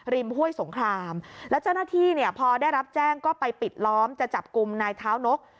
ห้วยสงครามแล้วเจ้าหน้าที่เนี่ยพอได้รับแจ้งก็ไปปิดล้อมจะจับกลุ่มนายเท้านก